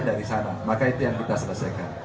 dari sana maka itu yang kita selesaikan